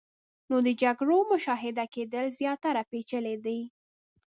نو د جګړو مشاهده کېدل زیاتره پیچلې دي.